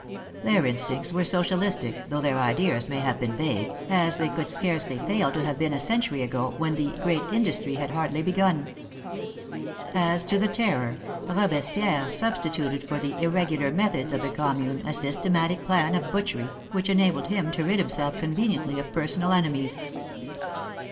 Their instincts were Socialistic though their ideas may have been vague, as they could scarcely fail to have been a century ago, when the " great industry " had hardly begun. As to the Terror, Robes pierre substituted for the irregular methods of the Com mune a systematic plan of butchery, which enabled him to rid himself conveniently of personal enemies.